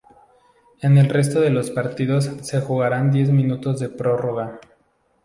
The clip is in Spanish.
En el resto de los partidos, se jugarán diez minutos de prórroga.